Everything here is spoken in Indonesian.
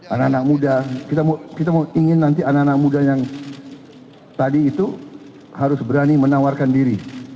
anak anak muda kita ingin nanti anak anak muda yang tadi itu harus berani menawarkan diri